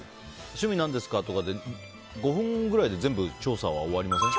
趣味、何ですか？とかで５分くらいで全部調査は終わりません？